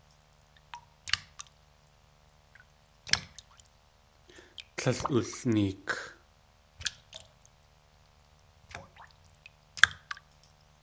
Tlél wulneek.